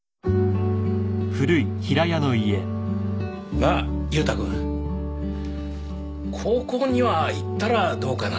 なあ祐太君高校には行ったらどうかな？